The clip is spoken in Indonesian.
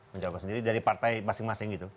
mencalonkan sendiri dari partai masing masing